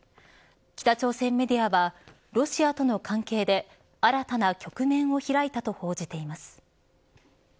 北朝鮮メディアはロシアとの関係で新たな局面を開いたと報じています。